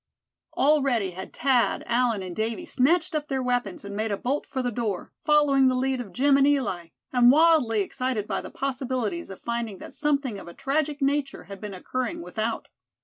Already had Thad, Allan and Davy snatched up their weapons, and made a bolt for the door, following the lead of Jim and Eli, and wildly excited by the possibilities of finding that something of a tragic nature had been occurring without.